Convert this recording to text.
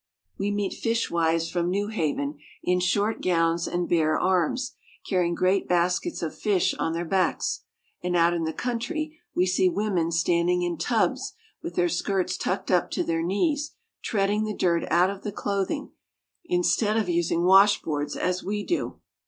We meet fishwives from Newhaven, in short gowns and bare arms, carrying great baskets of fish on their backs; and out in the country we see women standing in tubs, with their skirts tucked up to their knees, treading the dirt out of the clothing, in stead of using washboards as we do.